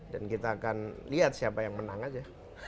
dan kita akan lihat siapa yang menang aja